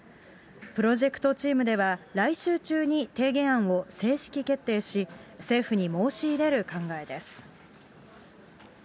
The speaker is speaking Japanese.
プロジェクトチームでは、来週中に提言案を正式決定し、政府に申し入れる考えです。